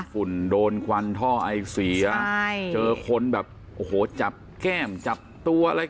ฝุ่นโดนควันท่อไอเสียเจอคนแบบโอ้โหจับแก้มจับตัวอะไร